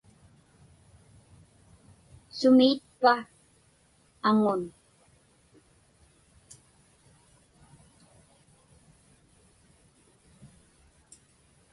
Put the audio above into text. Sumiitpa aŋun?